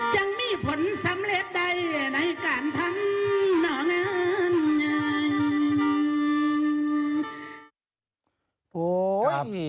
ยังมีผลสำเร็จใดในการทำหน่องานใหญ่